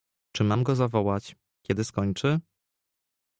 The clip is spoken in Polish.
"Czy mam go zawołać, kiedy skończy?"